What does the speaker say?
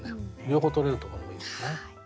両方とれるところもいいですね。